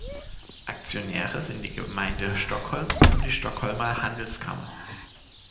Aktionäre sind die Gemeinde Stockholm und die Stockholmer Handelskammer.